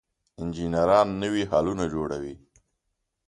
انجنیران نوي حلونه جوړوي.